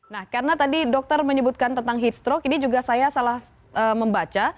nah karena tadi dokter menyebutkan tentang heat stroke ini juga saya salah membaca